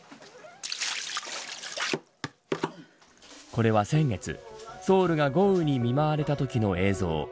これは先月ソウルが豪雨に見舞われた瞬間の映像。